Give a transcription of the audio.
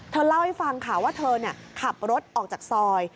เล่าให้ฟังค่ะว่าเธอขับรถออกจากซอย